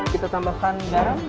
kita tambahkan garam